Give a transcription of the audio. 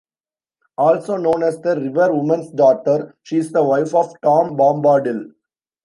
Also known as the "River-woman's daughter", she is the wife of Tom Bombadil.